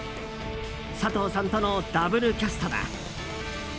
佐藤さんとのダブルキャストだ。